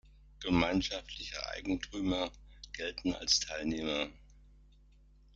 Gemeinschaftliche Eigentümer gelten als ein Teilnehmer.